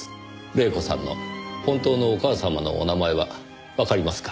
黎子さんの本当のお母様のお名前はわかりますか？